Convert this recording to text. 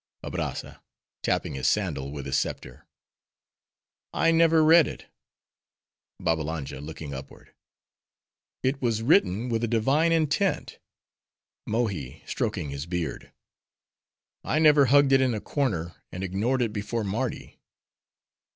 ABRAZZA (_tapping his sandal with his scepter__)—I never read it. BABBALANJA (looking upward)—It was written with a divine intent. Mohi (stroking his beard)—I never hugged it in a corner, and ignored it before Mardi.